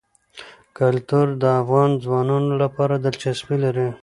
کلتور د افغان ځوانانو لپاره دلچسپي لري.